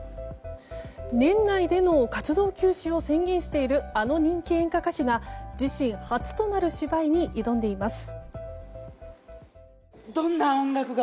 年内での活動休止を宣言しているあの人気演歌歌手が自身初となる芝居に挑んでいます。